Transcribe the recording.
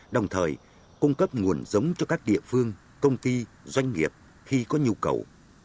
đồng thời cung cấp nguồn giống cho các địa phương công ty doanh nghiệp khi có nhu cầu